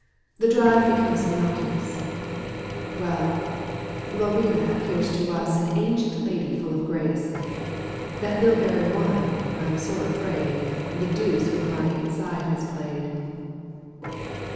67 The drive becomes monotonous — Well ! liirina appears to ns An ancient lady full of grace. — That bilberry wine, I'm sore afraid, The deuce with my inside has played."